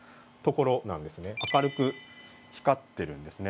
明るく光ってるんですね。